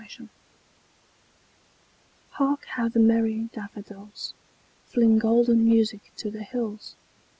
Spring HARK how the merry daffodils, Fling golden music to the hills!